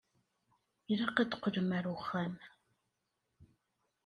Ilaq ad teqqlem ar wexxam.